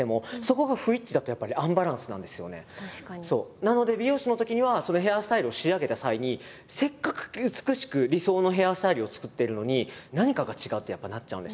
なので美容師のときにはそのヘアスタイルを仕上げた際にせっかく美しく理想のヘアスタイルを作ってるのに何かが違うってやっぱなっちゃうんです。